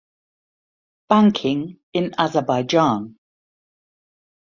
Banking in Azerbaijan